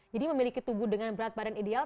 memiliki tubuh dengan berat badan ideal